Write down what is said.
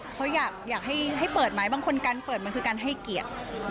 เขาอยากให้เปิดไหมบางคนการเปิดมันคือการให้เกียรติ